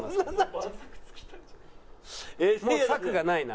もう策がないな。